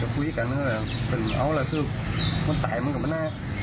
คุยกันก็คือว่าเอาล่ะคือมันตายมันก็ไม่น่า